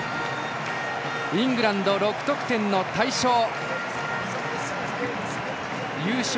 イングランド６得点の大勝。